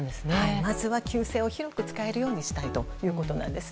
まずは旧姓を広く使えるようにしたいということです。